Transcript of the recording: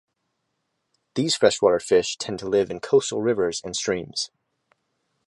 These freshwater fish tend to live in coastal rivers and streams.